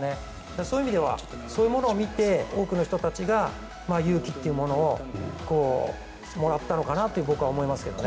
そういう意味ではそういうものを見て多くの人たちが勇気というものをもらったのかなと僕は思いますけどね。